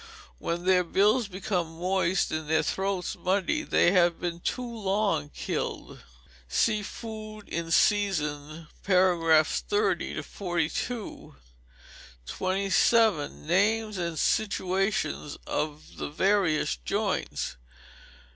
When their bills become moist, and their throats muddy, they have been too long killed. (See FOOD IN SEASON, Pars. 30 42.) 27. Names and Situations of the Various Joints.